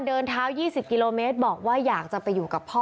เดินเท้า๒๐กิโลเมตรบอกว่าอยากจะไปอยู่กับพ่อ